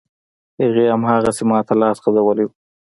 هغې، هماغسې ماته لاس غځولی و.